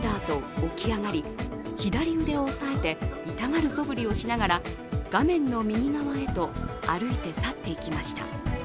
起き上がり左腕を押さえて痛がるそぶりをしながら画面の右側へと歩き去って行きました。